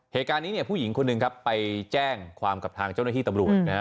เหตุการณ์นี้ผู้หญิงคนหนึ่งไปแจ้งความกับทางเจ้าหน้าที่ตำรวจ